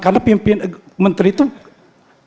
karena pimpin menteri itu pimpinan saya